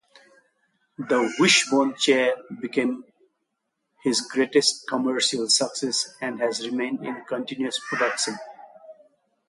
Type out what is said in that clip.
The Wishbone Chair became his greatest commercial success and has remained in continuous production.